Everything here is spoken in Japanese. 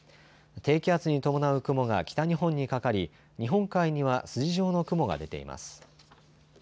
低気圧に伴う雲が北日本にかかり日本海には筋状の雲が出ています。